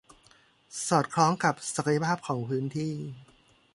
สอดคล้องกับศักยภาพของพื้นที่